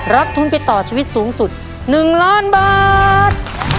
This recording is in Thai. ทุนไปต่อชีวิตสูงสุด๑ล้านบาท